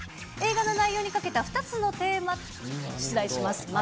映画の内容にかけた２つのテーマで出題します。